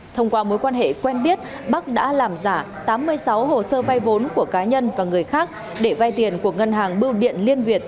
thông qua mối quan hệ quen biết bắc đã làm giả tám mươi sáu hồ sơ vay vốn của cá nhân và người khác để vay tiền của ngân hàng bưu điện liên việt